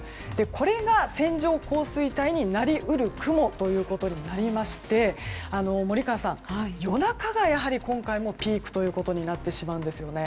これが線状降水帯になり得る雲ということになりまして森川さん、夜中がやはり今回もピークとなってしまうんですね。